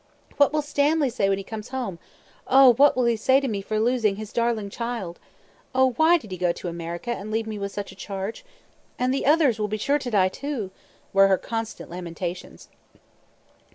"What will Stanley say when he comes home? Oh, what will he say to me for losing his darling child? Oh, why did he go to America, and leave me with such a charge? And the others will be sure to die, too!" were her constant lamentations.